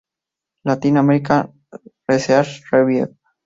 Latin American Research Review.